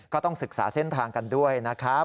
ก็ต้องศึกษาเส้นทางกันด้วยนะครับ